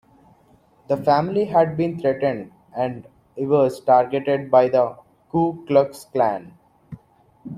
The family had been threatened, and Evers targeted by the Ku Klux Klan.